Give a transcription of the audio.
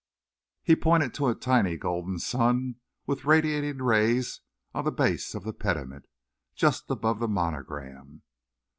He pointed to a tiny golden sun with radiating rays on the base of the pediment, just above the monogram.